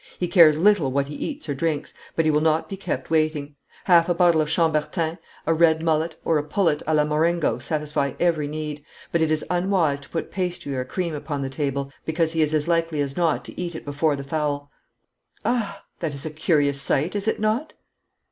He cares little what he eats or drinks, but he will not be kept waiting. Half a bottle of Chambertin, a red mullet, or a pullet a la Marengo satisfy every need, but it is unwise to put pastry or cream upon the table, because he is as likely as not to eat it before the fowl. Ah, that is a curious sight, is it not?'